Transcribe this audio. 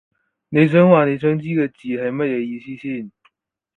你想話你想知嘅字係乜嘢意思先